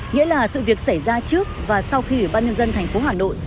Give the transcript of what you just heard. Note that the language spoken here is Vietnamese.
nghĩa là sự việc xảy ra trước và sau khi ủy ban nhân dân thành phố hà nội